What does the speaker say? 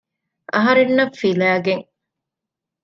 އަހަރެންނަށް ފިލައިގެން